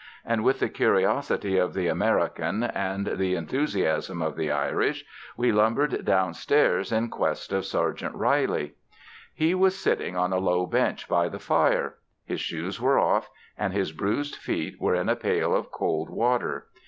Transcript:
And with the curiosity of the American and the enthusiasm of the Irish we lumbered downstairs in quest of Sergeant Reilly. He was sitting on a low bench by the fire. His shoes were off and his bruised feet were in a pail of cold water.